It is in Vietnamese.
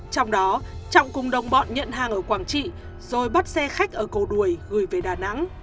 trong đó trọng cùng đồng bọn nhận hàng ở quảng trị rồi bắt xe khách ở cầu đuổi gửi về đà nẵng